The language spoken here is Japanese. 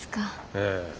ええ。